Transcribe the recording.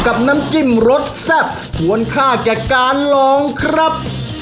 น้ำจิ้มรสแซ่บควรค่าแก่การลองครับ